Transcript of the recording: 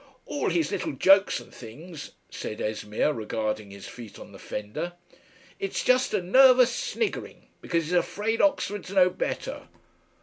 "All his little jokes and things," said Esmeer regarding his feet on the fender, "it's just a nervous sniggering because he's afraid.... Oxford's no better."